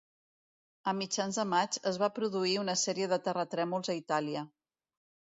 A mitjans de maig es van produir una sèrie de terratrèmols a Itàlia.